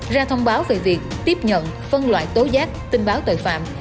ra thông báo về việc tiếp nhận phân loại tố giác tin báo tội phạm